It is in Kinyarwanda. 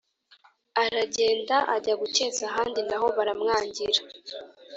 ” aragenda ajya gukeza ahandi naho baramwangira